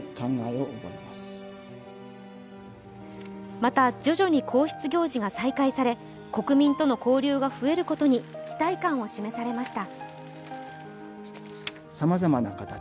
また、徐々に皇室行事が再開され、国民との交流が増えることに期待感を示されました。